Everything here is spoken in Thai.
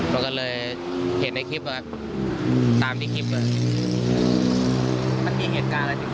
มันก็เลยเห็นในคลิปตามที่คลิปเปิด